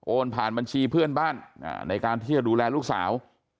ผ่านบัญชีเพื่อนบ้านในการที่จะดูแลลูกสาว